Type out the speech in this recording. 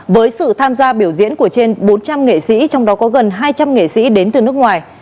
với sự tham gia biểu diễn của trên bốn trăm linh nghệ sĩ trong đó có gần hai trăm linh nghệ sĩ đến từ nước ngoài